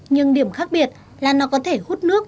nhưng điểm khác biệt là nó có thể hút nước